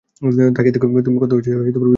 তাকিয়ে দেখো তুমি কতো বিপদের মধ্যে আছো।